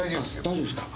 大丈夫ですか。